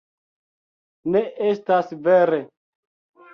Ne, estas vere